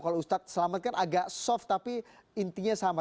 kalau ustadz selamat kan agak soft tapi intinya sama